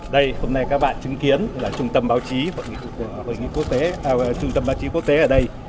đây hôm nay các bạn chứng kiến là trung tâm báo chí quốc tế ở đây